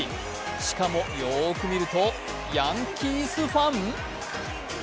しかもよーく見るとヤンキースファン？